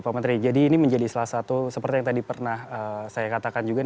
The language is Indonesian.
pak menteri jadi ini menjadi salah satu seperti yang tadi pernah saya katakan juga